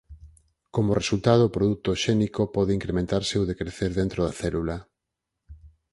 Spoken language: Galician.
Como resultado o produto xénico pode incrementarse ou decrecer dentro da célula.